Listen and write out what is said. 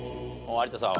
有田さんは。